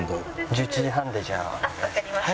１１時半でじゃあ。